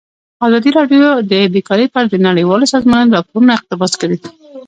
ازادي راډیو د بیکاري په اړه د نړیوالو سازمانونو راپورونه اقتباس کړي.